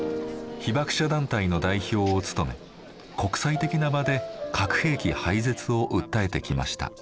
被爆者団体の代表を務め国際的な場で核兵器廃絶を訴えてきました。